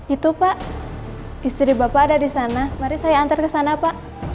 itu pak istri bapak ada disana mari saya antar kesana pak